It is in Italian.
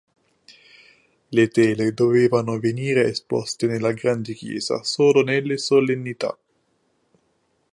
Le tele dovevano venire esposte nella grande chiesa solo nelle solennità.